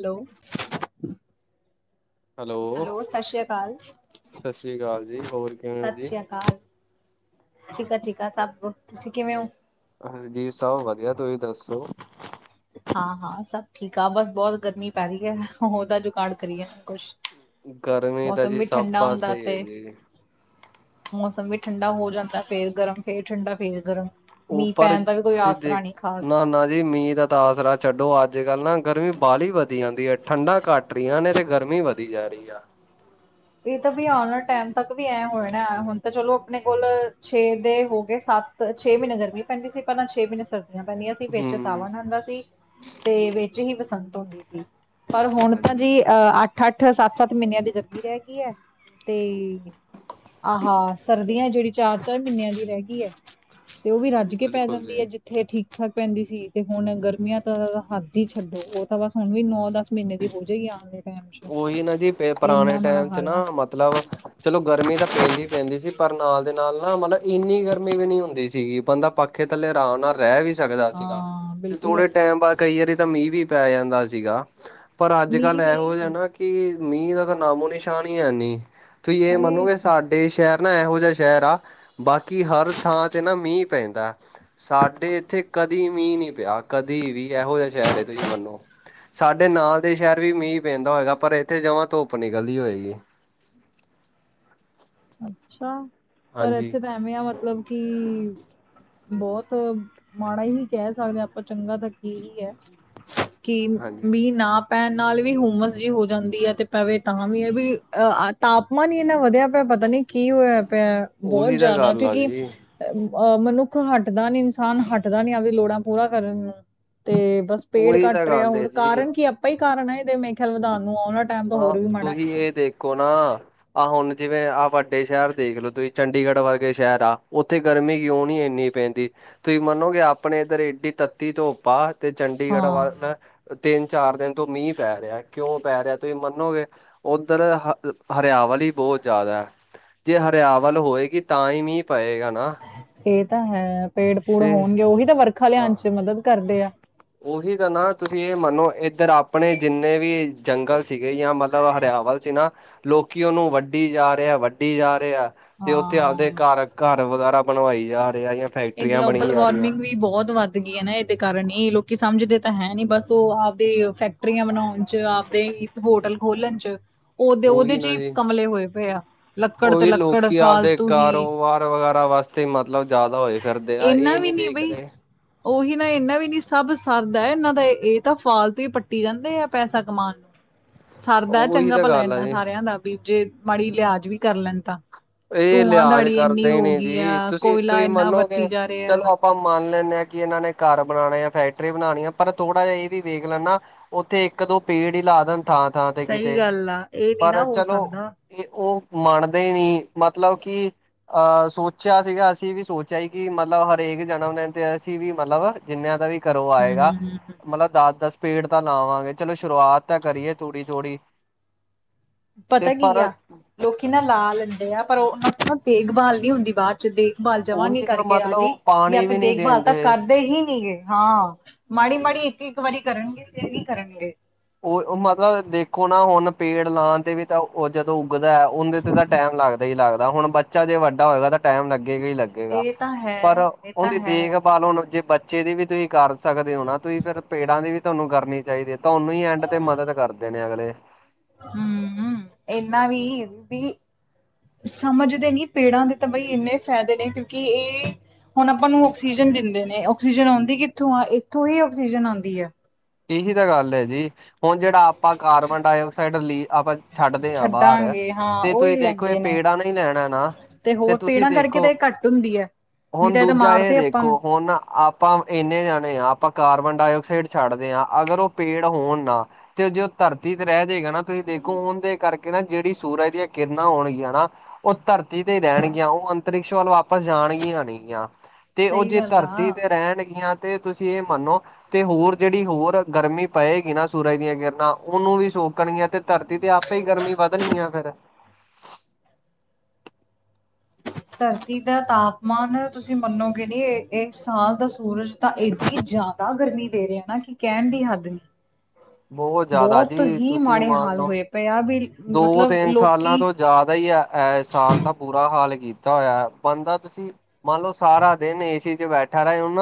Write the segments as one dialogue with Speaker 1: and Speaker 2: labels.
Speaker 1: Hello hello ਸ਼ਾਸਰੀਆ ਕਾਲ
Speaker 2: ਸਤਿ ਸ੍ਰੀ ਅਕਾਲ ਜੀ, ਹੋਰ ਕਿਵੇਂ ਹੋ ਜੀ?
Speaker 1: ਸ਼ਾਸਰਿਆ ਕਾਲ। ਠੀਕ ਆ ਠੀਕ ਆ ਸਭ ਤੁਸੀਂ ਕਿਵੇਂ ਹੋ?
Speaker 2: ਹਾਂਜੀ, ਸਭ ਵਧੀਆ ਤੁਸੀਂ ਦੱਸੋ?
Speaker 1: ਹਾਂ- ਹਾਂ ਸਭ ਠੀਕ ਆ ਬਸ ਬਹੁਤ ਗਰਮੀ ਪੈ ਰਹੀ ਹੈ ਉਹਦਾ ਜੁਗਾੜ ਕਰੀਆ ਕੁੱਛ।
Speaker 2: ਗਰਮੀ ਤਾਂ
Speaker 1: ਮੌਸਮ
Speaker 2: ਜੀ
Speaker 1: ਵੀ
Speaker 2: ਸਭ
Speaker 1: ਠੰਡਾ
Speaker 2: ਪਾਸੇ
Speaker 1: ਹੁੰਦਾ
Speaker 2: ਹੀ ਹੈ
Speaker 1: ਤੇ
Speaker 2: ਜੀ,
Speaker 1: ਮੌਸਮ ਵੀ ਠੰਡਾ ਹੋ ਜਾਂਦਾ ਫੇਰ ਗਰਮ ਫੇਰ ਠੰਡਾ ਫੇਰ ਗਰਮ।
Speaker 2: ਉਹ
Speaker 1: ਮੀਂਹ
Speaker 2: ਪਰ
Speaker 1: ਪੈਣ ਦਾ ਵੀ ਕੋਈ
Speaker 2: ਜੇ
Speaker 1: ਆਸਰਾ
Speaker 2: ਦੇਖ
Speaker 1: ਨਹੀਂ ਖ਼ਾਸ।
Speaker 2: ਨਾ ਨਾ ਜੀ ਮੀਂਹ ਦਾ ਆਸਰਾ ਛੱਡੋ ਅੱਜ- ਕੱਲ੍ਹ ਨਾ। ਗਰਮੀ ਬਾਲੀ ਵਧੀ ਜਾਂਦੀ ਹੈ ਠੰਡਾ ਘੱਟ ਰਹੀਆਂ ਨੇ ਤੇ ਗਰਮੀ ਵਧੀ ਜਾ ਰਹੀ ਆ।
Speaker 1: ਇਹ ਤਾਂ ਵੀ ਆਣ ਆਲੇ ਟਾਈਮ ਤੱਕ ਵੀ ਐਂ ਹੋਣੇ ਨੇ ਹੁਣ ਤਾਂ ਚਲੋ ਆਪਣੇ ਕੋਲ ਛੇ ਦੇ ਹੋ ਗਏ ਸੱਤ। ਛੇ ਮਹੀਨੇ ਗਰਮੀ ਪੈਂਦੀ ਸੀ ਪਹਿਲਾਂ ਛੇ ਮਹੀਨੇ ਸਰਦੀਆਂ ਪੈਂਦੀਆਂ। ਵਿੱਚ
Speaker 2: ਹੂੰ।
Speaker 1: ਸਾਵਣ ਹੂੰਦਾ ਸੀ ਤੇ ਵਿੱਚ ਹੀ ਬਸੰਤ ਹੂੰਦੀ ਸੀ ਪਰ ਹੁਣ ਤਾਂ
Speaker 2: ਹਾਂਜੀ।
Speaker 1: ਜੀ ਅਹ ਅੱਠ- ਅੱਠ ਸੱਤ- ਸੱਤ ਮਹੀਨਿਆਂ ਦੀ ਗਰਮੀ ਰਹਿ ਗਈ ਹੈ ਤੇ ਆਹਾ ਸਰਦੀਆਂ ਜਿਹੜੀ ਚਾਰ- ਚਾਰ ਮਹੀਨਿਆਂ ਦੀ ਰਹਿ ਗਈ ਐ। ਤੇ ਉਹ ਵੀ ਰੱਜ ਕੇ ਪੈ
Speaker 2: ਬਿਲਕੁਲ
Speaker 1: ਜਾਂਦੀ
Speaker 2: ਜੀ।
Speaker 1: ਅੱਜ। ਇੱਥੇ ਠੀਕ ਠਾਕ ਪੈਂਦੀ ਸੀ ਤੇ ਹੁਣ ਗਰਮੀਆਂ ਤਾਂ ਹੱਦ ਹੀ ਛੱਡੋ, ਉਹ ਤਾਂ ਬਸ ਹੁਣ ਵੀ ਨੌ ਦਸ ਮਹੀਨੇ ਦੀ ਹੋ ਜਾਈ ਆਣ ਵਾਲੇ ਟਾਈਮ 'ਚ ਇੰਨਾ ਮਾੜਾ
Speaker 2: ਵਿੱਚ
Speaker 1: ਹਾਲ ਆ
Speaker 2: ਨਾ ਮਤਲਬ ਚਲੋ ਗਰਮੀ ਤਾਂ ਪੈਂਦੀ- ਪੈਂਦੀ ਸੀ ਪਰ ਨਾਲ ਦੇ ਨਾਲ ਨਾ ਮਤਲਬ ਇੰਨੀ ਗਰਮੀ ਵੀ ਨਹੀਂ ਹੁੰਦੀ ਸੀਗੀ ਬੰਦਾ ਪੱਖ। ਪੱਖੇ ਥੱਲੇ ਆਰਾਮ ਨਾਲ ਰਹਿ ਵੀ ਸਕ। ਸਕਦਾ ਸੀਗਾ
Speaker 1: ਹਾਂ
Speaker 2: ਤੇ
Speaker 1: ਬਿਲਕੁਲ
Speaker 2: ਥੋੜੇ ਟਾਈਮ ਬਾਅਦ ਕਈ ਵਾਰੀ ਤਾਂ ਮੀਂਹ ਵੀ ਪੈ ਜਾਂਦਾ ਸੀਗਾ। ਪਰ ਅੱਜ
Speaker 1: ਮੀਂਹ
Speaker 2: ਕੱਲ੍ਹ
Speaker 1: ਵੀ
Speaker 2: ਇਹੋ ਜਿਹਾ ਨਾ ਕਿ ਮੀਂਹ ਦਾ ਤਾਂ ਨਾਮੋ ਨਿਸ਼ਾਨ ਹੀ ਹੈ ਨੀ। ਤੁਸੀਂ ਇਹ
Speaker 1: ਹਾਏ
Speaker 2: ਮੰਨੋਗੇ ਸਾਡ? ਏ ਸ਼ਹਿਰ ਨਾ ਇਹੋ ਜਿਹਾ ਸ਼ਹਿਰ ਆ ਬਾਕੀ ਹਰ ਥਾਂ ਤੇ ਨਾ ਮੀਂਹ ਪੈਂਦਾ। ਂ ਸਾਡੇ ਇੱਥੇ ਕਦੀ ਮੀਂਹ ਨਹੀਂ ਪਿਆ ਕਦੀ ਵੀ ਇਹੋ ਜਿਹਾ ਸ਼ਹਿਰ ਤੁਸੀਂ ਮੰਨੋ। ਸਾਡੇ ਨਾਲ ਦੇ ਸ਼ਹਿਰ ਵੀ ਮੀਂਹ ਪੈਂਦਾ ਹੋਏਗਾ ਪਰ ਇੱਥੇ ਜਮ੍ਹਾਂ ਧੁੱਪ ਨਿਕਲਦੀ ਹੋਏਗੀ।
Speaker 1: ਅੱਛਾ, ਪਰ
Speaker 2: ਹਾਂਜੀ,
Speaker 1: ਇੱਥੇ ਤਾਂ ਐਵੇਂ ਆ ਮਤਲਬ ਕੀ ਬਹੁਤ ਮਾੜਾ ਹੀ ਕਹਿ ਸਕਦੇ ਹਾਂ ਆਪਾਂ ਚੰਗਾ ਤਾਂ ਕੀ ਐ। ਕੀ
Speaker 2: ਹਾਂਜੀ
Speaker 1: ਮੀਂਹ ਨਾ ਪੈਣ ਨਾਲ ਵੀ ਹੁੰਮਸ ਜਿਹੀ ਹੋ ਜਾਂਦੀ ਐ ਤੇ ਪਵੇ ਤਾਂ ਵੀ ਇਹ ਵੀ ਅ ਤਾਪਮਾਨ ਹੀ ਇੰਨਾ ਵਧੀਆ। ੳਧਰ ਪਤਾ ਨੀ ਕੀ ਹੋਇਆ ਪਿਆ ਬਹੁਤ
Speaker 2: ਉਹੀ ਤਾਂ
Speaker 1: ਜ਼ਿਆਦਾ
Speaker 2: ਗੱਲ ਆ
Speaker 1: ਕਿਉਂਕੀ
Speaker 2: ਜੀ,
Speaker 1: ਅਹ ਮਨੁੱਖ ਹਟਦਾ ਨੀ ਇਨਸਾਨ ਹਟਦਾ ਨੀ ਆਪਦੀ ਲੋੜਾਂ ਪੂਰਾ ਕਰਨ ਤੇ ਬਸ। ਪੇਡ
Speaker 2: ਉਹੀ ਤਾਂ
Speaker 1: ਕੱਟ ਰਿਹਾ
Speaker 2: ਗੱਲ ਏ
Speaker 1: ਹੋਰ
Speaker 2: ਜੀ।
Speaker 1: ਕਾਰਨ ਕੀ ਆਪਾਂ ਹੀ ਕਾਰਨ ਐ ਇਹਦੇ ਮੇਰੇ ਖਿਆਲ ਵਧਾਉਣ ਨੂੰ ਆਉਣ ਆਲਾ ਟਾਈਮ ਹੋਰ ਵੀ ਮਾੜਾ।
Speaker 2: ਕੋ ਨਾ। ਆਹ ਹੁਣ ਜਿਵੇਂ ਆਹ ਵੱਡੇ ਸ਼ਹਿਰ ਦੇਖ ਲੋ ਤੁਸੀਂ ਚੰਡੀਗੜ੍ਹ ਵਰਗੇ ਸ਼ਹਿਰ ਆ ਉੱਥੇ ਗਰਮੀ ਕਿਉਂ ਨਹੀਂ ਇੰਨੀ ਪੈਂਦੀ ਤੁਸੀਂ ਮੰਨੋਗੇ ਆਪਣੇ ਇੱਧਰ ਏਡੀ ਤੱਤੀ ਧੁੱਪ ਆ। ਤੇ ਚੰਡੀਗੜ੍ਹ ਵੱਲ
Speaker 1: ਹਾਂ
Speaker 2: ਨਾ ਤਿੰਨ ਚਾਰ ਦਿਨ ਤੋਂ ਮੀਂਹ ਪੈ ਰਿਹਾ ਕਿਉਂ ਪੈ ਰਿਹਾ। ਤੁਸੀਂ ਮੰਨੋਗੇ ਉੱਧਰ ਹ ਹਰਿਆਵਲ ਹੀ ਬਹੁਤ ਜ਼ਿਆਦਾ ਹੈ। ਜੇ ਹਰਿਆਵਲ ਹੋਏਗੀ ਤਾਂ ਹੀ ਮੀਂਹ ਪਏਗਾ ਨਾ।
Speaker 1: ਇਹ ਤਾਂ ਹੈ ਪੇੜ-ਪੂੜ
Speaker 2: ਤੇ
Speaker 1: ਹੋਣਗੇ, ਉਹੀ ਤਾਂ ਵਰਖਾ
Speaker 2: ਹਾਂ
Speaker 1: ਲਿਆਉਣ'ਚ ਮਦਦ ਕਰਦੇ ਆ।
Speaker 2: ਉਹੀ ਤਾਂ ਨਾ ਤੁਸੀਂ ਇਹ ਮੰਨੋ ਇੱਧਰ ਆਪਣੇ ਜਿੰਨੇ ਵੀ ਜੰਗਲ ਸੀਗੇ ਜਾਂ ਮਲ ਮਤਲਬ ਹਰਿਆਵਲ 'ਚ ਨਾ ਲੋਕੀ ਉਹਨਾਂ ਨੂੰ ਵੱਡੀ ਜਾ ਰਿਹਾ ਵੱਡੀ ਜਾ ਰਿਹਾ 'ਤੇ ਉੱਥੇ ਆਪਦੇ
Speaker 1: ਹਾਂ
Speaker 2: ਘਰ-ਘਰ ਵਗੈਰਾ ਬਣਵਾਈ ਜਾ ਰਹਾ ਜਾਂ ਫੈਕਟਰੀਆਂ ਬਣੀ ਜਾ ਰਹੀਆਂ।
Speaker 1: ਮੀ ਬੋਤ ਵੱਧ ਗਈ ਐ ਨਾ ਏਦੇ ਕਾਰਨ ਈ ਲੋਕੀ ਸਮਝਦੇ ਤਾਂ ਹੈ ਨੀ ਬਸ ਓ ਆਪਦੇ ਫੈਕਟਰੀਆਂ ਬਣਾਉਣ 'ਚ ਆਪਦੇ ਹੋਟਲ ਖੋਲਣ 'ਚ ਓਦੇ-ਓਦੇ
Speaker 2: ਉਹੀ
Speaker 1: 'ਚ
Speaker 2: ਨਾ
Speaker 1: ਈ
Speaker 2: ਜੀ
Speaker 1: ਕਮਲੇ ਹੋਏ ਪਏ ਆ ਲੱਕੜ ਤੇ ਲਕ
Speaker 2: ਕੀ ਆਪਦੇ ਕਾਰੋਬਾਰ ਵਗੈਰਾ ਵਾਸਤੇ ਮਤਲਬ ਜਾਦਾ ਹੋਏ ਫਿਰਦੇ ਆ ਏ ਨੀ ਦੇਖਦੇ
Speaker 1: ਓਹੀ ਨਾ ਇੰਨਾ ਵੀ ਨੀ ਸਭ ਸਰਦਾ ਐ ਏਨਾਂ ਦਾ ਏ ਤਾਂ ਫਾਲਤੂ ਈ ਪੱਟੀ ਜਾਂਦੇ ਆ ਪੈਸਾ ਕਮਾਨ ਸਰਦਾ ਐ
Speaker 2: ਉਹੀ
Speaker 1: ਚੰਗਾ
Speaker 2: ਤਾਂ
Speaker 1: ਭਲਾ
Speaker 2: ਗੱਲ ਆ
Speaker 1: ਏਨਾਂ
Speaker 2: ਜੀ
Speaker 1: ਸਾਰਿਆਂ ਦਾ ਵੀ ਜੇ ਮਾੜੀ ਲਿਹਾਜ ਵੀ ਕਰ ਲੈਨ ਤਾਂ।
Speaker 2: ਏ
Speaker 1: ਧੂੰਆਂ
Speaker 2: ਲਿਹਾਜ
Speaker 1: ਧਾੜੀ ਇੰਨੀ
Speaker 2: ਕਰਦੇ ਈ
Speaker 1: ਹੋ
Speaker 2: ਨੀ
Speaker 1: ਗਈ
Speaker 2: ਜੀ,
Speaker 1: ਆ ਕੋਇਲਾ
Speaker 2: ਤੁਸੀਂ-ਤੁਸੀਂ
Speaker 1: ਇੰਨਾ ਵਰਤੀ
Speaker 2: ਮੰਨੋਗੇ
Speaker 1: ਜਾ
Speaker 2: ਚਲੋ
Speaker 1: ਰਿਹਾ।
Speaker 2: ਆਪਾਂ ਮੰਨ ਲੈਂਨੇ ਆਂ ਕਿ ਏਨਾਂ ਨੇ ਘਰ ਬਣਾਣੇ ਆ, ਫੈਕਟਰੀ ਬਣਾਣੀ ਆ, ਪਰ ਥੋੜਾ ਜਾ ਐ ਵੀ ਵੇਖ ਲੈਣ ਨਾ ਓਥੇ ਇੱਕ-ਦੋ ਪੇੜ ਈ ਲਾ ਦੇਣ ਥਾਂ-ਥਾਂ 'ਤੇ
Speaker 1: ਸਹੀ
Speaker 2: ਕਿਤੇ
Speaker 1: ਗੱਲ ਆ ਇਹ ਨੀ ਨਾ
Speaker 2: ਪਰ
Speaker 1: ਹੋ
Speaker 2: ਚੱਲੋ
Speaker 1: ਸਕਦਾ।
Speaker 2: ਤੇ ਓ ਮੰਣਦੇ ਨੀ ਮਤਲਬ ਕਿ ਅਹ ਸੋਚੇਆ ਸੀਗਾ, ਅਸੀਂ ਵੀ ਸੋਚੇਆ ਸੀ ਕਿ ਮਤਲਬ ਹਰੇਕ ਜਣਮ ਦਿਨ 'ਤੇ ਅਸੀਂ ਵੀ ਮਤਲਬ ਜਿੰਨਿਆਂ ਦਾ ਵੀ ਘਰੋਂ ਆਏਗਾ ਮਤਲਬ
Speaker 1: ਹੂੰ-ਹੂੰ-ਹੂੰ-ਹੂੰ
Speaker 2: ਦਸ-ਦਸ ਪੇੜ ਤਾਂ ਲਾਵਾਂਗੇ ਚੱਲੋ ਸ਼ੁਰੂਆਤ ਤਾਂ ਕਰੀਏ ਥੋੜੀ-ਥੋੜੀ।
Speaker 1: ਪਤਾ ਕੀ ਆ ਲੋਕੀ ਨਾ ਲਾ ਲੈਂਦੇ ਆ ਪਰ ਓਨਾਂ ਦੀ ਨਾ ਦੇਖਭਾਲ ਨੀ ਹੁੰਦੀ ਬਾਦ 'ਚ ਦੇਖਭਾਲ ਜਮਾਂ ਨੀ
Speaker 2: ਉਹੀ ਨਾ
Speaker 1: ਕਰਕੇ
Speaker 2: ਮਤਲਬ
Speaker 1: ਰਾਜ਼ੀ
Speaker 2: ਉਹ
Speaker 1: ਯਾ
Speaker 2: ਪਾਣੀ ਵੀ
Speaker 1: ਫੇਰ
Speaker 2: ਨਹੀਂ
Speaker 1: ਦੇਖਭਾਲ ਤਾਂ
Speaker 2: ਦਿੰਦੇ
Speaker 1: ਕਰਦੇ ਹੀ ਨੀ ਗੇ ਹਾਂ। ਮਾੜੀ-ਮਾੜੀ ਇੱਕ-ਇੱਕ, ਵਾਰੀ ਕਰਨਗੇ ਫੇਰ ਨੀ ਕਰਨਗੇ।
Speaker 2: ਓਈ ਓ ਮਤਲਬ ਦੇਖੋ ਨਾ ਹੁਨ ਪੇੜ ਲਾਨ ਦੇ ਵੀ ਤਾਂ ਓ ਜਦੋਂ ਉੱਗਦਾ ਐ, ਉਂਦੇ ਤੇ ਤਾਂ ਟਾਈਮ ਲੱਗਦਾ ਈ ਲੱਗਦਾ ਹੁਣ ਬੱਚਾ ਜੇ ਵੱਡਾ ਹੋਏਗਾ ਤਾਂ ਟਾਈਮ ਲੱਗੇਗਾ ਈ ਲੱਗੇਗਾ
Speaker 1: ਇਹ ਤਾਂ ਹੈ।
Speaker 2: ਪਰ
Speaker 1: ਇਹ ਤਾਂ
Speaker 2: ਉਂਦੀ
Speaker 1: ਹੈ
Speaker 2: ਦੇਖਭਾਲ ਹੁਨ ਜੇ ਬੱਚੇ ਦੀ ਵੀ ਤੁਸੀਂ ਕਰ ਸਕਦੇ ਹੋ ਨਾ ਤੁਸੀਂ ਫਿਰ ਪੇੜਾਂ ਦੀ ਵੀ ਤੁਆਨੂੰ ਕਰਨੀ ਚਾਈਦੀ ਐ, ਤੁਆਨੂੰ ਈ ਐਂਡ ਤੇ ਮਦਦ ਕਰਦੇ ਨੇ ਅਗਲੇ।
Speaker 1: ਹੂੰ, ਏਨਾਂ ਵੀ, ਵੀ ਸਮਝਦੇ ਨੀ ਪੇੜਾਂ ਦੇ ਤੇ ਬਈ ਇੰਨੇ ਫ਼ੈਦੇ ਨੇ ਕਿਉਂਕਿ ਏ ਹੁਣ ਆਪਾਂ ਨੂੰ ਆਕਸੀਜਨ ਦਿੰਦੇ ਨੇ ਆਕਸੀਜਨ ਆਉਂਦੀ ਕਿੱਥੋਂ ਆ? ਏਥੋਂ ਹੀ ਆਕਸੀਜਨ ਆਂਦੀ ਐ।
Speaker 2: ਏਹੀ ਤਾਂ ਗੱਲ ਐ ਜੀ, ਹੁਨ ਜੇੜਾ ਆਪਾਂ ਕਾਰਬਨ ਡਾਇਆਕਸਾਈਡ ਰਿਲਿਵ ਆਪਾਂ ਛੱਡਦੇ ਆਂ ਬਾਰ
Speaker 1: ਛੱਡਾਂਗੇ ਹਾਂ
Speaker 2: ਤੇ
Speaker 1: ਉਹੀ
Speaker 2: ਤੁਸੀਂ ਦੇਖੋ ਏ
Speaker 1: ਲੈਂਦੇ
Speaker 2: ਪੇੜਾ ਨੇ ਈ ਲੈਣਾ ਨਾ ਤੇ
Speaker 1: ਹੋਰ
Speaker 2: ਤੁਸੀਂ
Speaker 1: ਪੇੜਾਂ ਕਰਕੇ
Speaker 2: ਦੇਖੋ
Speaker 1: ਤਾਂ ਇਹ ਘੱਟ ਹੁੰਦੀ ਐ।
Speaker 2: ਹੁਨ ਦੂਜਾ ਏ ਦੇਖੋ ਹੁਨ ਆਪਾਂ ਏਨੇ ਜਾਣੇ ਆ ਆਪਾਂ ਕਾਰਬਨ-ਡਾਇਆਕਸਾਈਡ ਛੱਡ ਦੇ ਆਂ ਅਗਰ ਓ ਪੇੜ ਹੋਣ ਨਾ ਤੇ ਜੇ ਓ ਧਰਤੀ ਤੇ ਰੈ ਜੇਗਾ ਨਾ ਤੁਸੀਂ ਦੇਖੋ ਓਂਦੇ ਕਰ ਕੇ ਨਾ ਜੇੜੀ ਸੂਰਜ ਦੀਆਂ ਕਿਰਨਾਂ ਹੋਣਗੀਆਂ ਨਾ ਓ ਧਰਤੀ ਤੇ ਈ ਰੈਣਗੀਆਂ ਓ ਅੰਤਰਿਕਸ਼ ਵੱਲ ਵਾ ਪਸ ਜਾਣਗੀਆਂ ਨੀਗੀਆਂ ਤੇ ਓ
Speaker 1: ਸਹੀ
Speaker 2: ਜੇ
Speaker 1: ਗੱਲ
Speaker 2: ਧਰਤੀ
Speaker 1: ਆ।
Speaker 2: 'ਤੇ ਰੈਣਗੀਆਂ 'ਤੇ ਤੁਸੀਂ ਏ ਮੰਨੋ ਤੇ ਹੋਰ ਜੇੜੀ ਹੋਰ ਗਰਮੀ ਪਏਗੀ ਨਾ ਸੂਰਜ ਦੀਆਂ ਕਿਰਨਾਂ ਓਨੂੰ ਵੀ ਸੋਕਣਗੀਆਂ 'ਤੇ ਧਰਤੀ ਤੇ ਆਪੇ ਈ ਗਰਮੀ ਵਧਣੀ ਆ ਫੇਰ।
Speaker 1: ਧਰਤੀ ਦਾ ਤਾਪਮਾਨ ਤੁਸੀਂ ਮੰਨੋਗੇ ਨੀ ਏ ਸਾਲ ਦਾ ਸੂਰਜ ਤਾਂ ਏਡੀ ਜਾਦਾ ਗਰਮੀ ਦੇ ਰੇਆ ਨਾ ਕਿ ਕੈਨ ਦੀ ਹੱਦ ਨੀ।
Speaker 2: ਬਹੁਤ ਜ਼ਿਆਦਾ
Speaker 1: ਬੋਤ
Speaker 2: ਜੀ
Speaker 1: ਹੀ
Speaker 2: ਤੁਸੀਂ
Speaker 1: ਮਾੜੇ
Speaker 2: ਮੰਨ
Speaker 1: ਹਾਲ
Speaker 2: ਲਓ
Speaker 1: ਹੋਏ ਪਏ ਆ ਵੀ ਮਤਲਬ ਲੋਕੀ
Speaker 2: ਜਾਦਾ ਈ ਐ, ਐ ਸਾਲ ਤਾਂ ਬੁਰਾ ਹਾਲ ਕੀਤਾ ਹੋਏਆ ਬੰਦਾ ਤੁਸੀਂ ਮੰਨ ਲੋਂ ਸਾਰਾ ਦਿਨ ਏਸੀ 'ਚ ਬੈਠਾ ਰਏ ਹੁਨ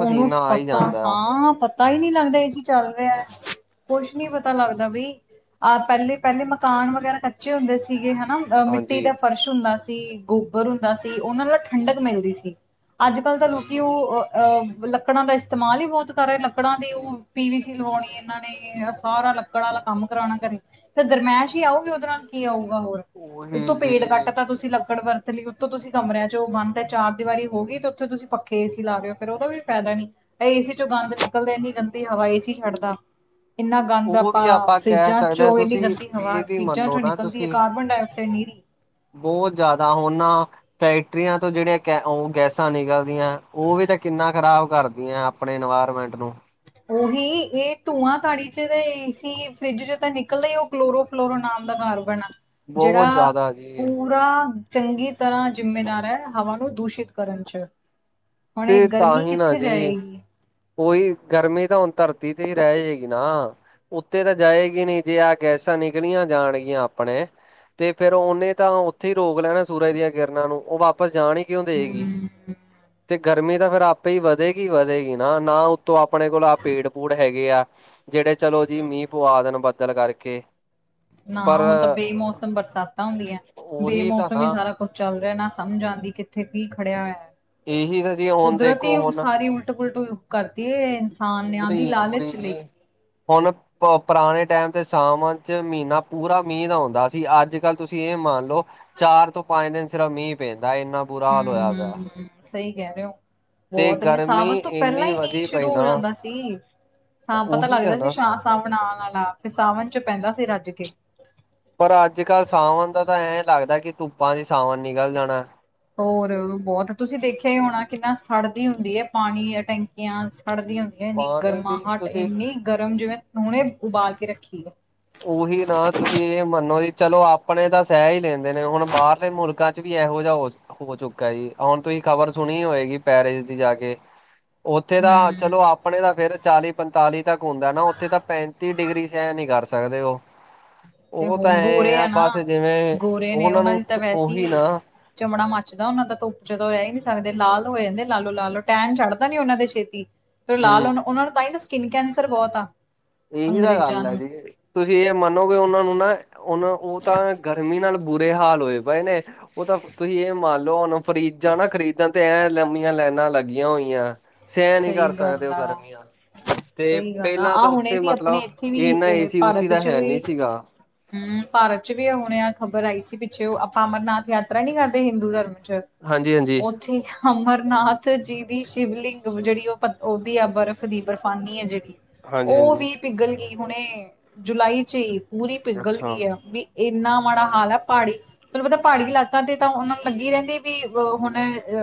Speaker 1: ਓਨੂੰ ਪਤਾ ਹਾਂ ਪ ਤਾ ਈ ਨੀ ਲੱਗਦਾ ਏ ਸੀ ਚੱਲ ਰਯਾ ਕੁਛ ਨੀ ਪਤਾ ਲੱਗਦਾ ਬਈ ਆਹ ਪੈਲੇ, ਪੈਲੇ ਮਕਾਨ ਵਗੈਰਾ ਕੱਚੇ ਹੁੰਦੇ ਸੀਗੇ ਹੈਨਾ ਅਹ ਮਿੱਟੀ
Speaker 2: ਹਾਂਜੀ
Speaker 1: ਦਾ ਫਰਸ਼ ਹੁੰਦਾ ਸੀ, ਗੋਬਰ ਹੁੰਦਾ ਸੀ, ਓਨਾ ਨਾਲ ਠੰਡਕ ਮਿਲਦੀ ਸੀ। ਅੱਜ-ਕੱਲ ਤਾਂ
Speaker 2: ਜੀ
Speaker 1: ਲੋਕੀ
Speaker 2: ਜੀ
Speaker 1: ਓ ਅ ਅ ਲੱਕੜਾਂ ਦਾ ਇਸਤੇਮਾਲ ਈ ਬੋਤ ਕਰ ਰੇ, ਲੱਕੜਾਂ ਦੀ ਓ ਪੀ ਵੀ ਸੀ ਲਵਾਉਣੀ ਏਨਾਂ ਨੇ। ਏ ਐ ਸਾਰਾ ਲੱਕੜ ਆਲਾ ਕੰਮ ਕਰਾਣਾ ਘਰੇ ਤਾਂ ਗਰਮੈਸ਼ ਈ ਆਉਗੀ ਓਦੇ ਨਾਲ, ਕੀ ਆਊਗਾ ਹੋਰ। ਉੱਤੋ
Speaker 2: ਉਹੀ
Speaker 1: ਪੇੜ ਕੱਟ
Speaker 2: ਜੀ
Speaker 1: ਤਾ ਤੁਸੀਂ ਲੱਕੜ ਦਾ ਹੈਲੀ ਉਤੋਂ ਤੁਸੀਂ ਕਮਰਿਆਂ ਚੋਂ ਉਹ ਬੰਦ ਹੈ ਚਾਰ ਦੀਵਾਰੀ ਹੋ ਗਈ ਤੇ ਉੱਥੇ ਤੁਸੀਂ ਪੱਖੇ ਏ ਸੀ ਲਾ ਰਹੇ ਓ ਫੇਰ ਉਹਦਾ ਵੀ ਫਾਇਦਾ ਨੀ, ਆ ਏ ਸੀ ਚੋਂ ਗੰਦ ਨਿਕਲਦੇ ਇੰਨੀ ਗੰਦੀ ਹਵਾ ਏ ਸੀ ਛੱਡਦਾ ਇੰਨਾ ਗੰਦ
Speaker 2: ਉਹ
Speaker 1: ਆਪਾਂ
Speaker 2: ਵੀ ਕਹਿ
Speaker 1: ਫਰਿਜਾਂ
Speaker 2: ਸਕਦੇ ਹਾਂ
Speaker 1: ਚੋਂ ਇੰਨੀ
Speaker 2: ਤੁਸੀਂ
Speaker 1: ਗੰਦੀ ਹਵਾ
Speaker 2: ਇਹ ਵੀ
Speaker 1: ਫਰਿਜਾਂ
Speaker 2: ਮੰਨੋ
Speaker 1: ਚੋਂ
Speaker 2: ਨਾ
Speaker 1: ਨਿਕਲਦੀ ਐ,
Speaker 2: ਤੁਸੀਂ
Speaker 1: ਕਾਰਬਨ ਡਾਇਆਕਸਾਈਡ ਨੀਰੀ
Speaker 2: ਬਹੁਤ ਜ਼ਿਆਦਾ ਹੁਣ ਨਾ ਫੈਕਟਰੀਆਂ ਤੋਂ ਜਿਹੜੀਆਂ ਕ ਉਹ ਗੈਸਾਂ ਨਿਕਲਦੀਆਂ ਉਹ ਵੀ ਤਾਂ ਕਿੰਨਾ ਖ਼ਰਾਬ ਕਰਦੀਆਂ ਆਪਣੇ ਇਨਵਾਇਰਮੈਂਟ ਨੂੰ।
Speaker 1: ਉਹੀ ਇਹ ਧੂੰਆਂ ਤਾੜੀ ਚ ਏਸੀ, ਫਰਿੱਜ ਚੋਂ ਤਾਂ ਨਿਕਲਦਾ ਈ ਐ ਉਹ ਕਲੋਰੋਫਲੋਰੋ ਨਾਮ ਦਾ ਕਾਰਬਨ ਆ
Speaker 2: ਬਹੁਤ
Speaker 1: ਜਿਹੜਾ
Speaker 2: ਜ਼ਿਆਦਾ ਜੀ
Speaker 1: ਪੂਰਾ ਚੰਗੀ ਤਰ੍ਹਾਂ ਜਿੰਮੇਦਾਰ ਐ, ਹਵਾ ਨੂੰ ਦੂਸ਼ਿਤ ਕਰਨ 'ਚ। ਹੁਣ
Speaker 2: ਤੇ
Speaker 1: ਇਹ
Speaker 2: ਤਾਂ
Speaker 1: ਗਰਮੀ
Speaker 2: ਹੀ ਨਾ
Speaker 1: ਕਿੱਥੇ
Speaker 2: ਜੀ
Speaker 1: ਜਾਏਗੀ?
Speaker 2: ਉਹੀ ਗਰਮੀ ਤਾਂ ਹੁਣ ਧਰਤੀ ਤੇ ਏ ਰਹਿ ਗੀ ਨਾ। ਉੱਤੇ ਤਾਂ ਜਾਏਗੀ ਨੀ ਜੇ ਆ ਗੈਸਾਂ ਨਿਕਲੀਆਂ ਜਾਣਗੀਆਂ ਆਪਣੇ ਤੇ ਫਿਰ ਉਹਨੇ ਤਾਂ ਉੱਥੇ ਈ ਰੋਕ ਲੈਣਾ ਸੂਰਜ ਦੀਆਂ ਕਿਰਨਾਂ ਨੂੰ ਉਹ ਵਾਪਸ ਜਾਣ ਈ ਕਿਉਂ ਦੇਗੀ
Speaker 1: ਹਮ
Speaker 2: ਤੇ ਗਰਮੀ ਤਾਂ ਫਿਰ ਆਪੇ ਹੀ ਵਧੇਗੀ ਵਧੇਗੀ ਨਾ ਨਾ ਉਹ ਤੋਂ ਆਪਣੇ ਕੋਲ ਆ ਪੇੜ ਪੂੜ ਹੈਗੇ ਆ ਜਿਹੜੇ ਚਲੋ ਜੀ ਮੀਂਹ ਪਵਾ ਦੇਣ ਬੱਦਲ ਕਰਕੇ
Speaker 1: ਨਾ
Speaker 2: ਪਰ
Speaker 1: ਹੁਣ ਤਾਂ ਬੇਮੌਸਮ ਬਰਸਾਤਾਂ ਹੁੰਦੀਆਂ
Speaker 2: ਉਹੀ ਤਾਂ
Speaker 1: ਬੇਮੌਸਮ ਹੀ
Speaker 2: ਨਾ
Speaker 1: ਸਾਰਾ ਕੁਛ ਚੱਲ ਰਿਹਾ ਨਾ ਸਮਝ ਆਂਦੀ ਕਿੱਥੇ ਕੀ ਖੜਿਆ ਹੋਇਆ।
Speaker 2: ਇਹੀ ਤਾਂ ਜੀ ਹੁਣ
Speaker 1: ਕੁਦਰਤ
Speaker 2: ਦੇਖੋ
Speaker 1: ਈ
Speaker 2: ਹੁਣ
Speaker 1: ਸਾਰੀ ਉਲਟ ਪੁਲਟ ਕਰਤੀ ਏ ਹਾ ਨਿਆ ਦੀ
Speaker 2: ਪੂਰੀ ਪੂਰੀ
Speaker 1: ਲਾਲਚ ਲਈ
Speaker 2: ਜੀ ਹੁਣ ਪ ਪੁਰਾਣੇ ਟਾਈਮ ਤੇ ਸਾਵਣ ਚ ਮਹੀਨਾ ਪੂਰਾ ਮੀਂਹ ਦਾ ਹੁੰਦਾ ਸੀ। ਅੱਜ ਕੱਲ੍ਹ ਤੁਸੀਂ ਇਹ ਮੰਨ ਲਓ ਚਾਰ ਤੋਂ ਪੰਜ ਦਿਨ ਸਿਰਫ ਮੀਂਹ ਪੈਂਦਾ ਇਨ੍ਹਾਂ
Speaker 1: ਹੂੰ ਹੂੰ ਸਹੀ ਕਹਿ ਰਹੇ ਓ।
Speaker 2: ਤੇ
Speaker 1: ਬਹੁਤ ਨੇ
Speaker 2: ਗਰਮੀ
Speaker 1: ਸਾਵਣ ਤੋਂ ਪਹਿਲਾਂ
Speaker 2: ਇੰਨੀ
Speaker 1: ਈ ਮੀਹ
Speaker 2: ਵਧੀ ਪਈ
Speaker 1: ਸ਼ੁਰੂ ਹੋ
Speaker 2: ਨਾ
Speaker 1: ਜਾਂਦਾ ਸੀ। ਹਾਂ ਪਤਾ
Speaker 2: ਉਹੀ ਤਾਂ
Speaker 1: ਲੱਗਦਾ ਸੀ
Speaker 2: ਨਾ
Speaker 1: ਸ਼ਾ ਸਾਵਣ ਆਣ ਆਲਾ ਫਿਰ ਸਾਵਣ ਚ ਪੈਂਦਾ ਸੀ ਰੱਜ ਕੇ।
Speaker 2: ਪਰ ਅੱਜ ਕੱਲ੍ਹ ਸਾਵਣ ਦਾ ਤਾਂ ਐਂ ਲੱਗਦਾ ਕਿ ਧੁੱਪਾਂ ਚ ਸਾਵਣ ਨਿਕਲ ਜਾਣਾ।
Speaker 1: ਹੋਰ ਬਹੁਤ ਤੁਸੀਂ ਦੇਖਿਆ ਈ ਹੋਣਾ ਕਿੰਨਾ ਸੜਦੀ ਹੁੰਦੀ ਐ ਪਾਣੀ ਟੈਂਕੀਆਂ ਸੜਦੀ ਹੁੰ ਐਨੀ
Speaker 2: ਪਾਣੀ ਦੀ
Speaker 1: ਗਰਮਾਹਟ
Speaker 2: ਤੁਸੀਂ
Speaker 1: ਇੰਨੀ ਗਰਮ ਜਿਵੇਂ ਹੁਣੇ ਉਬਾਲ ਕੇ ਰੱਖੀ ਐ।
Speaker 2: ਉਹੀ ਨਾ ਤੁਸੀਂ ਇਹ ਮੰਨੋ ਜੀ ਚਲੋ ਆਪਣੇ ਤਾਂ ਸਹਿ ਈ ਲੈਂਦੇ ਨੇ ਹੁਣ ਬਾਹਰਲੇ ਮੁਲਕ ਕਾਚ ਵੀ ਇਹੋ ਜਾ ਹੋ ਹੋ ਚੁੱਕਾ ਜੀ, ਹੁਣ ਤੁਸੀਂ ਖ਼ਬਰ ਸੁਣੀ ਹੋਏਗੀ ਪੈਰਿਸ ਦੀ ਜਾ ਕੇ ਉੱਥੇ ਤਾਂ ਚਲੋ
Speaker 1: ਹਮ
Speaker 2: ਆਪ ਆਪਣੇ ਤਾਂ ਫਿਰ ਚਾਲੀ ਪੰਤਾਲੀ ਤੱਕ ਹੁੰਦਾ ਨਾ ਉੱਥੇ ਤਾਂ ਪੈਂਤੀ ਡਿਗਰੀ ਸਹਿਣ ਨੀ ਕਰ ਸਕੇ ਸਕਦੇ ਉਹ
Speaker 1: ਤੇ
Speaker 2: ਉਹ ਤਾਂ
Speaker 1: ਹੁਣ
Speaker 2: ਐ
Speaker 1: ਗੋਰੇ
Speaker 2: ਆ ਬਸ
Speaker 1: ਨਾ
Speaker 2: ਜਿਵੇਂ
Speaker 1: ਗੋਰੇ ਨੇ
Speaker 2: ਉਹਨਾਂ ਨੂੰ
Speaker 1: ਦੀ ਤਾਂ ਵੈਸੇ ਹੀ
Speaker 2: ਉਹੀ ਨਾ
Speaker 1: ਚਮੜਾ ਮੱਚਦਾ ਉਹਨਾਂ ਦਾ ਧੁੱਪ ਚ ਤਾ ਉਹ ਰਹਿ ਨਈ ਸਕਦੇ ਲਾਲ ਹੋ ਜਾਂਦੇ ਆ ਲਾਲੋ ਲਾਲ, ਟਹਿਣ ਛੱਡਦਾ ਨੀ ਉਹਨਾਂ ਦੇ ਛੇਤੀ ਫੇਰ ਲਾਲ
Speaker 2: ਹੂੰ
Speaker 1: ਹੁਣ ਉਹਨਾਂ ਨੂੰ ਤਾਂਹੀ ਤਾਂ ਸਕਿੰਨ ਕੈਂਸਰ ਬਹੁਤ ਆ।
Speaker 2: ਇਹੀ ਤਾਂ
Speaker 1: ਅੰਗਰੇਜ਼ਾਂ
Speaker 2: ਗੱਲ ਆ
Speaker 1: ਨੂੰ
Speaker 2: ਦੀਦੀ। ਤੁਸੀਂ ਇਹ ਮੰਨੋਗੇ ਉਹਨਾਂ ਨੂੰ ਨਾ ਉਹਨਾਂ ਉਹ ਤਾਂ ਗਰਮੀ ਨਾਲ ਬੁਰੇ ਹਾਲ ਹੋਏ ਪਏ ਨੇ। ਉਹ ਤਾਂ ਤੁਸੀਂ ਇਹ ਮੰਨ ਲਓ, ਹੁਣ ਫਰਿੱਜਾ ਨਾ ਖਰੀਦਣ ਤੇ ਐ ਲੰਮੀਆਂ ਲੈਨਾਂ ਲੱਗੀਆਂ ਹੋਈਆਂ। ਸਹਿ ਨਈ
Speaker 1: ਸਹੀ
Speaker 2: ਕਰ
Speaker 1: ਗੱਲ
Speaker 2: ਸਕਦੇ ਉਹ
Speaker 1: ਆ
Speaker 2: ਗਰਮੀਆਂ ਤੇ
Speaker 1: ਸਹੀ ਗੱਲ ਆ
Speaker 2: ਪਹਿਲਾਂ
Speaker 1: ਆਹ
Speaker 2: ਤੋਂ
Speaker 1: ਹੁਣੇ
Speaker 2: ਤੇ
Speaker 1: ਵੀ ਆਪਣੇ
Speaker 2: ਮਤਲਵ
Speaker 1: ਇੱਥੇ ਵੀ
Speaker 2: ਇਹਨਾ ਏਸੀ ਊਸੀ ਹੈ ਨੀ ਸੀਗਾ।
Speaker 1: ਹੂੰ ਭਾਰਤ ਚ ਵੀ ਹੁਣ ਆ ਖ਼ਬਰ ਆਈ ਸੀ। ਪਿੱਛੇ ਆਪਾਂ ਅਮਰਨਾਥ ਯਾਤਰਾ ਨੀ ਕਰਦੇ ਹਿੰਦੂ ਧਰਮ ਚ
Speaker 2: ਹਾਂਜੀ-ਹਾਂਜੀ।
Speaker 1: ਅਮਰਨਾਥ ਜੀ ਦੀ ਸ਼ਿਵਲਿੰਗ। ਜਿਹੜੀ ਉਹ ਉਹਦੀ ਆ ਬਰਫ਼ ਦੀ ਬਰਫਾਨੀ ਹੈ ਜਿਹੜੀ
Speaker 2: ਹਾਂਜੀ
Speaker 1: ਉਹ
Speaker 2: ਹਾਂਜੀ
Speaker 1: ਵੀ ਪਿਗਲ ਗਈ ਹੁਣੇ। ਜੁਲਾਈ ਚ ਹੀ ਪੂਰੀ ਪਿਗਲ
Speaker 2: ਅੱਛਾ।
Speaker 1: ਗਈ ਹੈ ਵੀ ਇੰਨਾ ਮਾੜਾ ਹਾਲ ਏ ਪਹਾੜੀ ਤੈਨੂੰ ਪਤਾ ਪਾੜੀ ਇਲਾਕਾਂ ਤੇ ਤਾਂ ਉਹਨਾਂ ਨੂੰ ਲੱਗੀ ਰਹਿੰਦੀ ਵੀ ਅ ਹੁਣ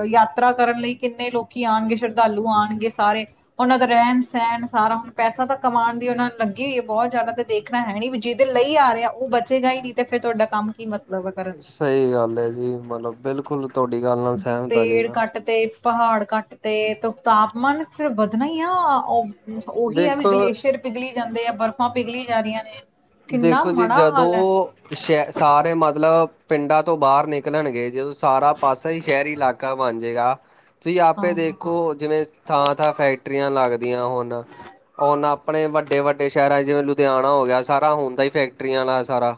Speaker 1: ਯਾਤਰਾ ਕਰਨ ਲਈ ਕਿੰਨੇ ਲੋਕੀ ਆਉਣਗੇ ਸ਼ਰਧਾਲੂ ਆਉਣਗੇ ਸਾਰੇ। ਉਹਨਾਂ ਦਾ ਰਹਿਣ-ਸਹਿਣ ਸਾਰਾ ਹੁਣ ਪੈਸਾ ਤਾਂ ਕਮਾਉਣ ਦੀ ਉਹ ਨੂੰ ਲੱਗੇ ਹੀ ਹੈ ਬਹੁਤ ਜ਼ਿਆਦਾ ਤੇ ਦੇਖਣਾ ਹੈ ਨੀ ਵੀ ਜਿਹਦੇ ਲਈ ਆ ਰਿਹਾ। ਉਹ ਬਚੇਗਾ ਹੀ ਨੀ ਤੇ ਫਿਰ ਤੁਹਾਡਾ ਕੰਮ ਕੀ ਮਤਲਬ ਕਰਨ
Speaker 2: ਸਹੀ ਗੱਲ ਹੈ ਜੀ। ਮਤਲਬ ਬਿਲਕੁਲ ਤੁਹਾਡੀ ਗੱਲ ਨਾਲ ਸਹਿਮਤ ਹਾਂ ਜੀ
Speaker 1: ਦੇਰ
Speaker 2: ਮੈਂ।
Speaker 1: ਕੱਟ ਤੇ ਪਹਾੜ ਕੱਟ ਤੇ ਤਾਪਮਾਨ ਤੇ ਵੱਧਣਾ ਹੀ ਆ ਉਹ ਉਹੀ ਹੈ ਵੀ
Speaker 2: ਦੇਖੋ
Speaker 1: ਗਲੇਸ਼ੀਅਰ ਪਿਘਲੀ ਜਾਂਦੇ ਆ, ਬਰਫ਼ਾਂ ਪਿਘਲੀ ਜਾ ਰਹੀਆਂ ਨੇ। ਕਿੰਨਾ
Speaker 2: ਦੇਖੋ ਜੀ
Speaker 1: ਮਾੜਾ ਹਾਲ ਹੈ,
Speaker 2: ਜਦੋਂ ਸ਼ਹਿ ਸਾਰੇ ਮਤਲਬ ਪਿੰਡਾਂ ਤੋਂ ਬਾਹਰ ਨਿਕਲਣਗੇ। ਜਦੋਂ ਸਾਰਾ ਪਾਸਾ ਹੀ ਸ਼ਹਿਰੀ ਇਲਾ ਕਾ ਬਣ ਜਾਏਗਾ ਤੁਸੀਂ ਆਪੇ
Speaker 1: ਹਾਂ,
Speaker 2: ਦੇਖੋ ਜਿਵੇਂ ਥਾਂ-ਥਾਂ ਫੈਕਟਰੀਆਂ ਲੱਗਦੀਆਂ ਹੁਣ ਹੁਣ ਆਪਣੇ ਵੱਡੇ-ਵੱਡੇ ਸ਼ਹਿਰਾਂ ਜਿਵੇਂ ਲੁਧਿਆਣਾ ਹੋ ਗਿਆ। ਸਾਰਾ ਹੁੰਦਾ ਹੀ ਫੈਕਟਰੀਆਂ ਵਾਲ ਸਾਰਾ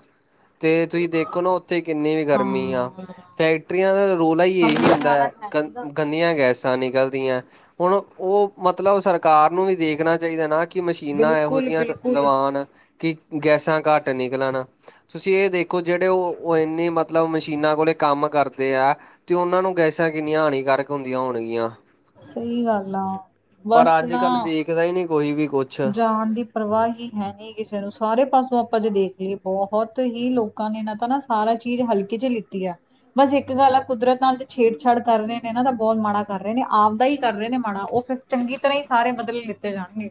Speaker 2: ਤੇ ਤੁਸੀਂ ਦੇਖੋ ਨਾ ਉੱਥੇ ਕਿੰਨੀ ਵੀ ਗਰਮੀ ਆ।
Speaker 1: ਹਾਂ।
Speaker 2: ਫੈਕਟਰੀਆਂ ਦਾ ਰੋਲਾ ਹੀ ਇਹੀ
Speaker 1: ਸਮਝਣ
Speaker 2: ਹੁੰਦਾ
Speaker 1: ਵਾਲਾ
Speaker 2: ਹੈ ਕਨ
Speaker 1: ਨੀ ਗਾ,
Speaker 2: ਕ ਇਨੀਆਂ ਗੈਸਾਂ ਨਿਕਲਦੀਆਂ ਹੁਣ ਉਹ ਮਤਲਬ ਸਰਕਾਰ ਨੂੰ ਵੀ ਦੇਖਣਾ ਚਾਹੀਦਾ ਨਾ ਕਿ ਮਸ਼ੀਨਾਂ ਇਹੋ ਜਿਹੀਆਂ
Speaker 1: ਬਿਲਕੁਲ-ਬਿਲਕੁਲ।
Speaker 2: ਲਵਾਣ ਕਿ ਗੈਸਾਂ ਘੱਟ ਨਿਕਲਣ ਤੁਸੀਂ ਇਹ ਦੇਖੋ ਜਿਹੜੇ ਉਹ ਇੰਨੀ ਮਤਲਬ ਮਸ਼ੀਨਾਂ ਕੋਲ ਕੰਮ ਕਰਦੇ ਆ ਤੇ ਉਹਨਾਂ ਨੂੰ ਗੈਸਾਂ ਕਿੰਨੀਆਂ ਹਾਨੀਕਾਰਕ ਹੁੰਦੀਆਂ ਹੋਣਗੀਆਂ।
Speaker 1: ਸਹੀ ਗੱਲ ਆ ਬੱਸ ਨਾ
Speaker 2: ਟਿਕ ਦਾ ਨੀ ਕੋਈ ਵੀ ਕੋਚ
Speaker 1: ਜਾਨ ਦੀ ਪਰਵਾਹ ਹੀ ਹੈਨੀ ਕਿਸੇ ਨੂੰ ਸਾਰੇ ਪਾਸੋਂ ਆਪਾਂ ਜੇ ਦੇਖ ਲਈਏ। ਬਹੁਤ ਹੀ ਲੋਕਾਂ ਨੇ ਇਹਨਾਂ ਤਾਂ ਨਾ ਸਾਰਾ ਚੀਜ਼ ਹਲਕੇ ਚ ਲਿੱਤੀ ਆ ਬੱਸ ਇੱਕ ਗੱਲ ਆ ਕੁਦਰਤ ਨਾਲ ਤੇ ਛੇੜਛਾੜ ਕਰ ਰਹੇ ਨੇ। ਨਾ ਤਾਂ ਬਹੁਤ ਮਾੜਾ ਕਰ ਰਹੇ ਨੇ। ਆਪ ਦਾ ਹੀ ਕਰ ਰਹੇ ਨੇ ਮਾੜਾ ਉਹ ਫਿਰ ਚੰਗੀ ਤਰ੍ਹਾਂ ਹੀ ਸਾਰੇ ਬਦਲੇ ਲਿੱਤੇ ਜਾਣਗੇ।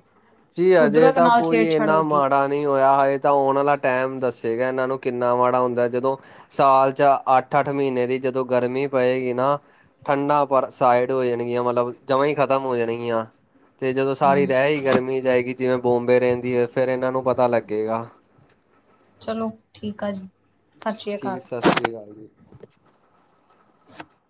Speaker 2: ਜੀ ਹਜੇ
Speaker 1: ਕੁਦਰਤ
Speaker 2: ਤਾਂ
Speaker 1: ਨਾਲ
Speaker 2: ਕੋਈ
Speaker 1: ਛੇੜਛਾੜ ਹੋ
Speaker 2: ਇੰਨਾ
Speaker 1: ਗਈ
Speaker 2: ਮਾੜਾ ਨਹੀਂ ਹੋਇਆ ਹਾਏ ਤਾਂ ਆਉਣ ਵਾਲਾ ਟਾਈਮ ਦੱਸੇਗਾ। ਇਹਨਾਂ ਨੂੰ ਕਿੰਨਾ ਮਾੜਾ ਹੁੰਦਾ ਜਦੋਂ ਸਾਲ ਚ ਅੱਠ-ਅੱਠ ਮਹੀਨੇ ਦੀ ਜਦੋਂ ਗਰਮੀ ਪਏਗੀ ਨਾ ਠੰਡਾ ਪਰ ਸਾਈਡ ਹੋ ਜਾਣਗੀਆਂ ਮਤਲਬ ਜਮਾ ਹੀ ਖ਼ਤਮ ਹੋ ਜਾਣਗੀਆਂ। ਤੇ ਜਦੋਂ ਸਾਰੀ
Speaker 1: ਹਮ
Speaker 2: ਰਹਿ ਹੀ ਗਰਮੀ ਜਾਏਗੀ। ਜਿਵੇਂ ਬੋਂਬੇ ਰਹਿੰਦੀ ਹੈ ਫਿਰ ਇਹਨਾਂ ਨੂੰ ਪਤਾ ਲੱਗੇਗਾ
Speaker 1: ਚਲੋ ਠੀਕ ਆ ਜੀ। ਸਤਿ ਸ੍ਰੀ
Speaker 2: ਠੀਕ
Speaker 1: ਅਕਾਲ
Speaker 2: ਸਤਿ ਸ੍ਰੀ ਅਕਾਲ ਜੀ।
Speaker 1: [inaudible]